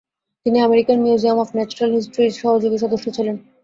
তিনি 'American museum of natural হিস্ট্রি'-র সহযোগী সদস্য ছিলেন।